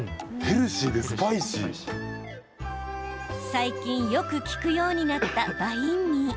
最近よく聞くようになったバインミー。